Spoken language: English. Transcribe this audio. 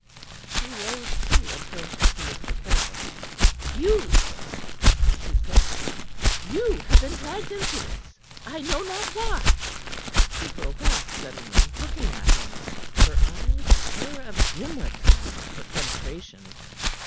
She rose, too, and turned to Mr. Caryll. "You, sir," she said to him, "you have been dragged into this, I know not why." She broke off suddenly, looking at him, her eyes a pair of gimlets now for penetration.